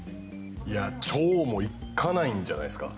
いや兆もいかないんじゃないですか？